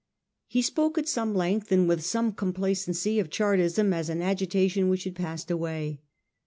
He spoke at some length and with much complacency of Chartism as an agitation which had passed away.